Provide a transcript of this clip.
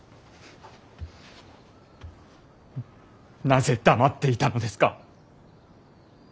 なぜ黙っていたのですか。